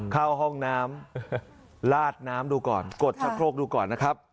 เข้าห้องน้ำลาดน้ำดูก่อนกดชะโครกดูก่อนนะครับ